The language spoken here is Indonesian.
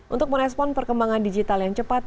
untuk merespon perkembangan digital yang cepat